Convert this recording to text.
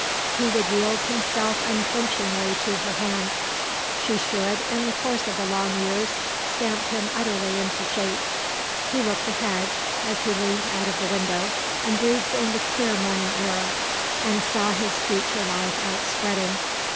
He would yield himself unflinchingly to her hand; she should, in the course of the long years, stamp him utterly into shape. He looked ahead, as he leant out of the window and breathed in the clear morning air, and saw his future life outspreading.